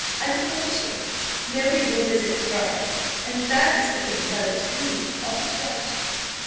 I can promise you, nobody will visit the bride, and that is the thing by which we are to judge."